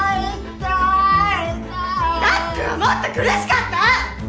たっくんはもっと苦しかった！！